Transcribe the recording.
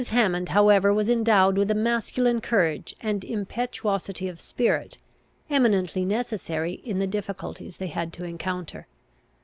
Hammond, however, was endowed with a masculine courage and impetuosity of spirit, eminently necessary in the difficulties they had to encounter.